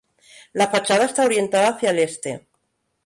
La fachada está orientada hacia el este.